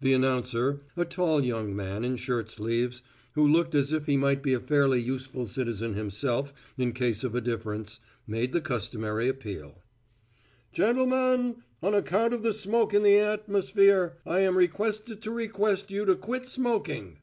The announcer, a tall young man in shirt sleeves, who looked as if he might be a fairly useful citizen himself in case of a difference, made the customary appeal. "Gen tul men, on account of the smoke in the at mos phere, I am requested to request you to quit smoking."